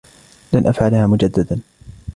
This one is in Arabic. لن أفعلها مجدداً.